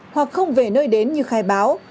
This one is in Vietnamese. hoặc không về nơi đến như khai báo